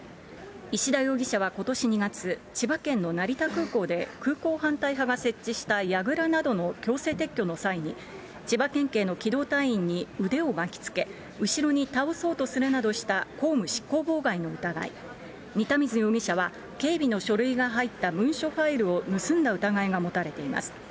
石田容疑者はことし２月、千葉県の成田空港で空港反対派が設置したやぐらなどの強制撤去の際に、千葉県警の機動隊員に腕を巻きつけ、後ろに倒そうとするなどした公務執行妨害の疑い、仁田水容疑者は、警備の書類が入った文書ファイルを盗んだ疑いが持たれています。